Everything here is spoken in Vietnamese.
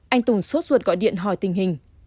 anh tùng xốt ruột gọi điện hỏi tình hình